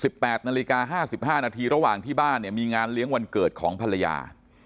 แปดนาฬิกาห้าสิบห้านาทีระหว่างที่บ้านเนี่ยมีงานเลี้ยงวันเกิดของภรรยา